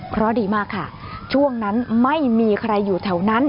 เพราะดีมากค่ะช่วงนั้นไม่มีใครอยู่แถวนั้น